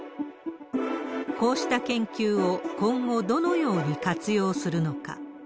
こうした研究を、今後、どのように活用するのか。